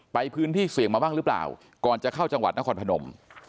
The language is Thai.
ไปพื้นที่เสี่ยงมาบ้างหรือเปล่าก่อนจะเข้าจังหวัดนครพนม